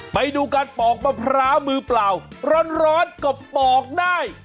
ไปดูการปอกมะพร้าวมือเปล่าร้อนก็ปอกได้